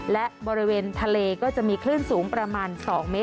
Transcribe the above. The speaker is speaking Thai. และบริเวณทะเลก็จะมีคลื่นสูงประมาณ๒เมตร